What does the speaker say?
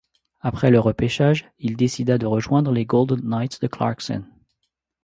Après le repêchage, il décida de rejoindre les Golden Knights de Clarkson.